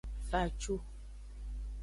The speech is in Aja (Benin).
Fa ecu.